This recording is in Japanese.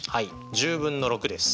１０分の６です。